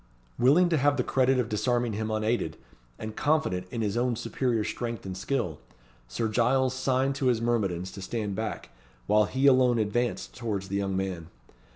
Willing to have the credit of disarming him unaided, and confident in his own superior strength and skill, Sir Giles signed to his myrmidons to stand back, while he alone advanced towards the young man.